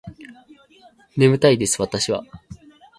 眠たいです私は